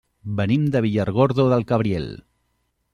Venim de Villargordo del Cabriel.